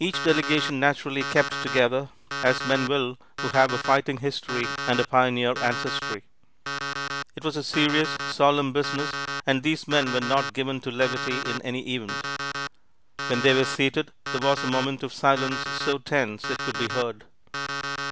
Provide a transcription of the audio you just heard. Each delegation naturally kept together, as men will who have a fighting history and a pioneer ancestry. It was a serious, solemn business, and these men were not given to levity in any event. When they were seated, there was a moment of silence so tense it could be heard.